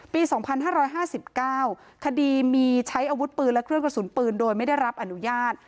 ปี๒๕๕๙คดีมีใช้อาวุธปืนและเครื่องกระสุนปืนโดยไม่ได้รับอนุญาต